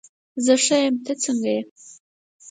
زه ښه یم، ته څنګه یې؟